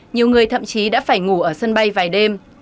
nhiều người thậm chí đã phải ngủ ở sân bay vài đêm